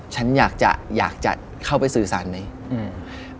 ฉันอยากจะเข้าไปสื่อสรรไหม